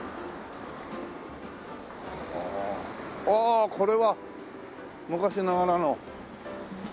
ああこれは昔ながらの。